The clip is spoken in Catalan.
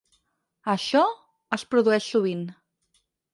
Això, es produeix sovint.